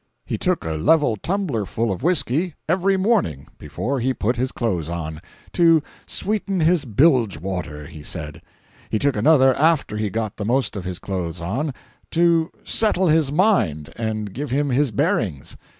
He took a level tumblerful of whisky every morning before he put his clothes on—"to sweeten his bilgewater," he said.—He took another after he got the most of his clothes on, "to settle his mind and give him his bearings."